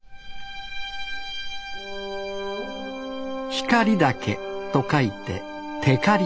光岳と書いて光岳。